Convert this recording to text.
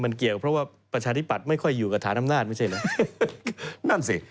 มันเกี่ยวเพราะว่าประชาธิปัตย์ไม่ค่อยอยู่กับฐานอำนาจไม่ใช่เหรอนั่นสิ